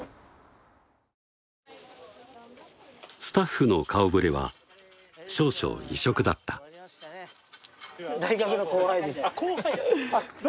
スタッフの顔ぶれは少々異色だったあっ